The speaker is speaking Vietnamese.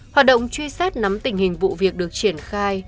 hoạt động truy xét nắm tình hình vụ việc được triển khai